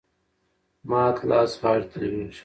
مات لاس غاړي ته لویږي .